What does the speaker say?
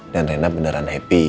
dan rena beneran happy